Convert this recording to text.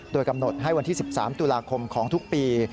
โดยกำหนดให้วันที่๑๓ตุลาคมของทุกปี